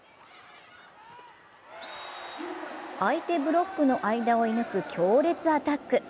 相手ブロックの間を射抜く強烈アタック。